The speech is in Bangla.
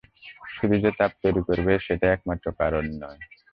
শুধু যে তাপ তৈরী করবে সেটাই একমাত্র কারণ নয়।